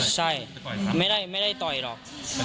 ใช่ไม่ได้ไม่ได้ต่อยหรอก